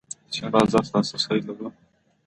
د چین بازار ته لاسرسی لرو؟